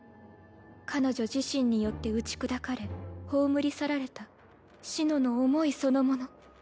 彼女自身によって打ち砕かれ葬り去られた紫乃の思いそのもの。